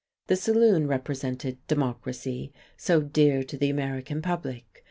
The saloon represented Democracy, so dear to the American public.